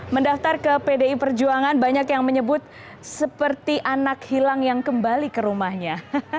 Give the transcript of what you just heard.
mendaftar ke pdi perjuangan banyak yang menyebut seperti anak hilang yang kembali ke rumahnya